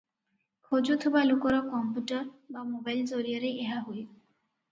ଖୋଜୁଥିବା ଲୋକର କମ୍ପ୍ୟୁଟର ବା ମୋବାଇଲ ଜରିଆରେ ଏହା ହୁଏ ।